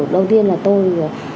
đầu tiên là tôi